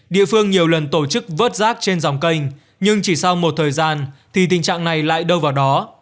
địa phương nhiều lần tổ chức vớt rác trên dòng kênh nhưng chỉ sau một thời gian thì tình trạng này lại đâu vào đó